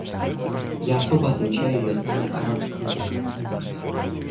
Я особо отмечаю ее знание арабского языка.